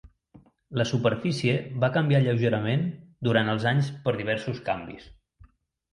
La superfície va canviar lleugerament durant els anys per diversos canvis.